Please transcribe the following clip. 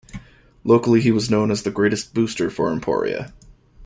Locally he was known as the greatest booster for Emporia.